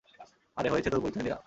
আরে হয়েছে তোর পরিচয় দেয়া।